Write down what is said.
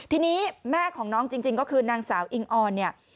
ทีนี้แม่ของน้องจริงก็คือนางสาวอิงออนเนี่ย